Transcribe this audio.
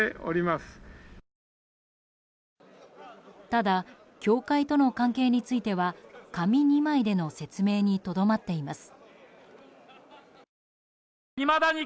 ただ、教会との関係については紙２枚での説明にとどまっています。